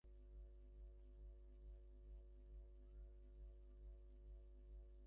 স্তন ক্যানসার সচেতনতা মাস হিসেবে অক্টোবর মাসে বিশ্বব্যাপী বিভিন্ন কর্মসূচি পালিত হয়।